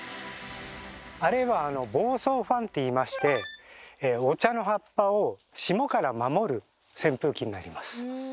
あれは「防霜ファン」って言いましてお茶の葉っぱを霜から守る扇風機になります。